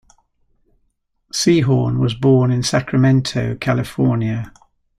Sehorn was born in Sacramento, California.